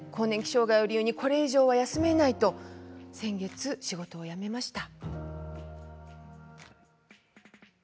障害を理由にこれ以上は休めないと先月、仕事を辞めました。